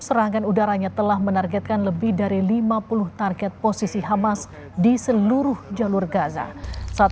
serangan udaranya telah menargetkan lebih dari lima puluh target posisi hamas di seluruh jalur gaza saat